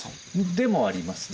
でもありますね。